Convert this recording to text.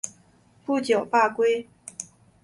不久罢归。